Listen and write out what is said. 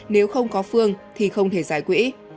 nếu không có phương thì không thể giải quỹ